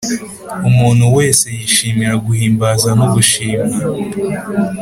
umuntu wese yishimira guhimbaza no gushimwa;